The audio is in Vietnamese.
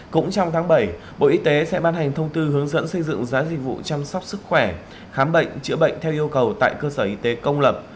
cũng trong tháng bảy bộ y tế sẽ ban hành thông tư hướng dẫn xây dựng giá dịch vụ chăm sóc sức khỏe khám bệnh chữa bệnh theo yêu cầu tại cơ sở y tế công lập